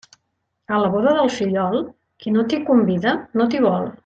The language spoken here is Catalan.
A la boda del fillol, qui no t'hi convida no t'hi vol.